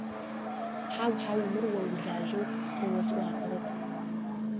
Хьау, хьау, мыр о уилажьэу къыосӀуахэрэп.